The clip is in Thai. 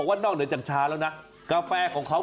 ว่าชูแก้วชนกับท้องฟ้า